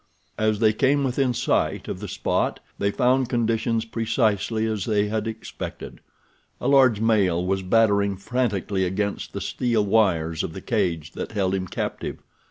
As they came within sight of the spot they found conditions precisely as they had expected. A large male was battering frantically against the steel wires of the cage that held him captive.